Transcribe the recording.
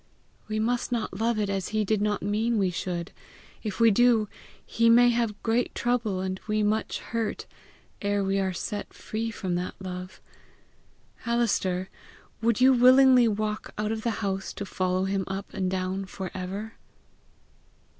We must not love it as he did not mean we should. If we do, he may have great trouble and we much hurt ere we are set free from that love. Alister, would you willingly walk out of the house to follow him up and down for ever?"